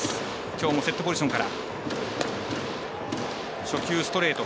きょうもセットポジションから。